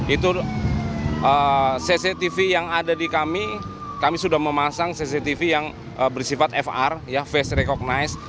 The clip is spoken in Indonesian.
itu cctv yang ada di kami kami sudah memasang cctv yang bersifat fr fast recognize